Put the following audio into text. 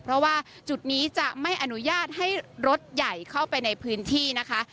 เพราะว่าจุดนี้จะไม่อนุญาตให้รถใหญ่เข้าไปในพื้นที่นะคะ